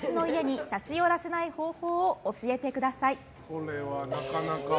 これは、なかなか。